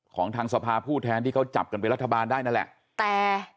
ทางสภาผู้แทนที่เขาจับกันเป็นรัฐบาลได้นั่นแหละแต่